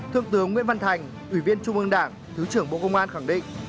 thượng tướng nguyễn văn thành ủy viên trung ương đảng thứ trưởng bộ công an khẳng định